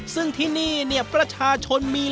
ซึ่งที่นี่เนี่ยประชาชนมีนิดหนึ่ง